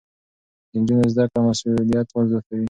د نجونو زده کړه مسؤليت زياتوي.